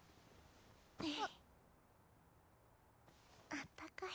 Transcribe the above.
あったかい。